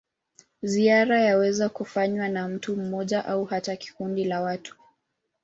Ziara yaweza kufanywa na mtu mmoja au hata kundi la watu.